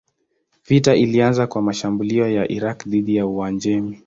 Vita ilianza kwa mashambulio ya Irak dhidi ya Uajemi.